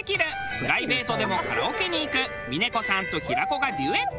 プライベートでもカラオケに行く峰子さんと平子がデュエット。